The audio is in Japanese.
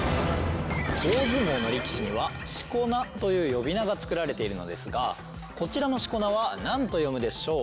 大相撲の力士にはしこ名という呼び名が付けられているのですがこちらのしこ名は何と読むでしょう？